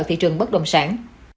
thị trường bất động sản